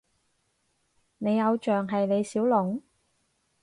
你偶像係李小龍？